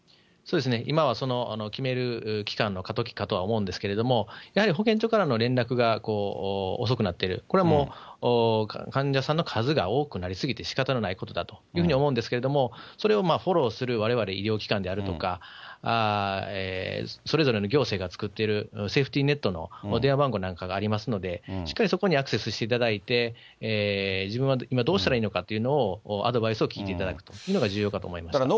そうですね、今はその決める期間の過渡期かとは思うんですけど、やはり保健所からの連絡が遅くなってる、これはもう患者さんの数が多くなり過ぎて、しかたのないことだというふうに思うんですけれども、それをフォローするわれわれ医療機関であるとか、それぞれの行政が作っているセーフティネットの電話番号なんかがありますので、しっかりそこにアクセスしていただいて、自分は今どうしたらいいのかっていうのを、アドバイスを聞いていただくというのが重要かと思います。